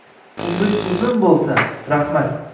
Umring uzun bo’lsa — rahmat